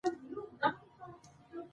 د ناټو پوځي دلګۍ به زیارت ته راځي.